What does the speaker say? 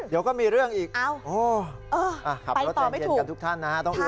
เดี๋ยวก็มีเรื่องอีกโอ้โฮอ่ะขับรถแจงเจนกันทุกท่านนะฮะไปต่อไม่ถูก